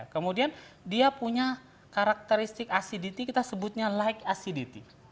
kemudian dia punya karakteristik acidity kita sebutnya like acidity